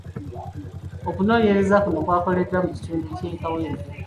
Okunoonyereza kuno kwakolebwa mu kitundu ky'e Kawempe.